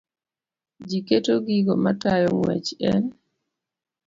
Ji keto gigo matayo ng'wech e n